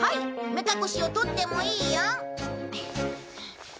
目隠しを取ってもいいよ。